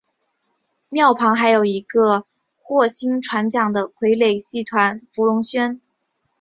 庙旁还有一个获薪传奖的傀儡戏团福龙轩。